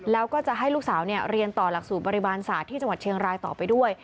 แล้วก็จะให้ลูกสาวเรียนต่อหลักสูตรบริบาลศาสตร์ที่จังหวัดเชียงรายต่อไปด้วย